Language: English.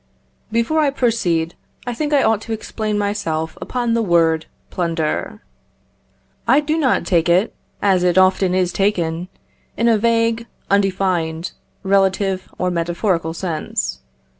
Before I proceed, I think I ought to explain myself upon the word plunder. I do not take it, as it often is taken, in a vague, undefined, relative, or metaphorical sense.